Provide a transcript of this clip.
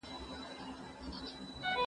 مندوشاه به کاڼه واچول غوږونه